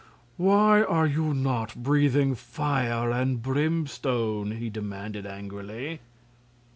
"Why are you not breathing fire and brimstone?" he demanded, angrily.